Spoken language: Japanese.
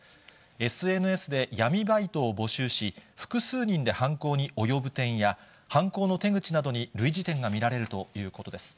ＳＮＳで闇バイトを募集し、複数人で犯行に及ぶ点や、犯行の手口などに類似点が見られるということです。